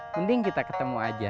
mending kita ketemu aja